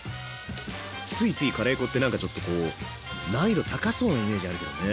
ついついカレー粉って何かちょっとこう難易度高そうなイメージあるけどね。